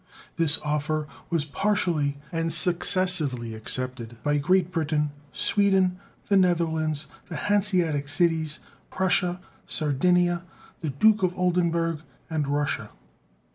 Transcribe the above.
This offer was partially and successively accepted by Great Britain, Sweden, the Netherlands, the Hanseatic cities, Prussia, Sardinia, the Duke of Oldenburg, and Russia.